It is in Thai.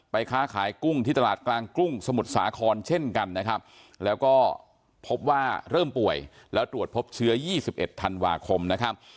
ค้าขายกุ้งที่ตลาดกลางกุ้งสมุทรสาครเช่นกันนะครับแล้วก็พบว่าเริ่มป่วยแล้วตรวจพบเชื้อ๒๑ธันวาคมนะครับ